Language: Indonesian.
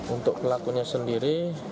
untuk pelakunya sendiri